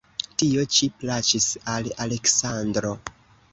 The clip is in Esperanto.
Tio ĉi plaĉis al Aleksandro.